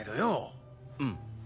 うん。